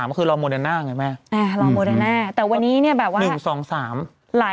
มันคือรอโมเดน่าไงแม่รอโมเดน่าแต่วันนี้เนี่ยแบบว่า๑๒๓หลาย